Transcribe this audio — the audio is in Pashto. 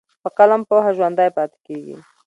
په قلم پوهه ژوندی پاتې کېږي.